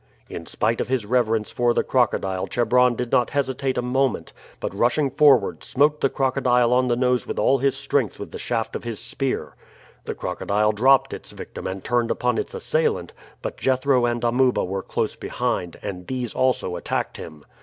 In spite of his reverence for the crocodile Chebron did not hesitate a moment, but rushing forward smote the crocodile on the nose with all his strength with the shaft of his spear. The crocodile dropped its victim and turned upon its assailant, but Jethro and Amuba were close behind, and these also attacked him.